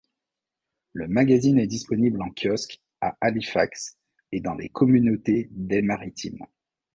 Le magazine est disponible en kiosque à Halifax et dans les communautés des Maritimes.